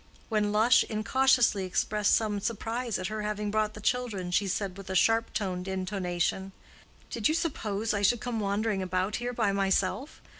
When Lush incautiously expressed some surprise at her having brought the children, she said, with a sharp toned intonation, "Did you suppose I should come wandering about here by myself?